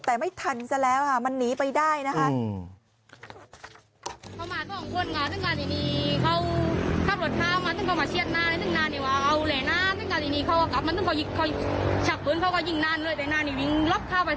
แต่ไม่ทันซะแล้วค่ะมันหนีไปได้นะคะ